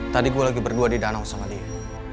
saya sedang berdua di danau dengan dia